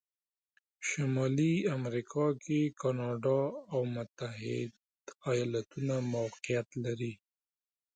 شمالي امریکا کې کانادا او متحتد ایالتونه موقعیت لري.